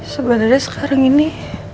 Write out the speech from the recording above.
sebenernya sekarang ini